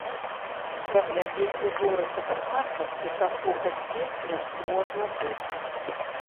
Праглядзець узоры фотакартак і праслухаць песню можна тут.